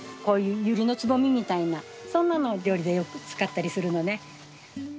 こういうユリのつぼみみたいなそんなのを料理でよく使ったりするのね。